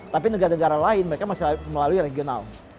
tapi negara negara lain mereka masih melalui regional